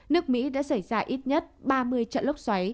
nước mỹ đã xảy ra ít nhất ba mươi trận lốc xoáy